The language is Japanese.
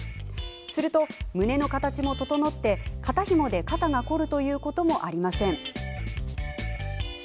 すると、胸の形も整って肩ひもで肩が凝るということもありません。